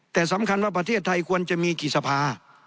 แต่สำคัญว่าประเทศไทยควรจะมีกี่สภา